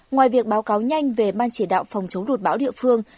ngoài việc báo cáo nhanh về ban chỉ đạo phòng chống lụt bão địa phương